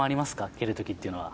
蹴るときというのは。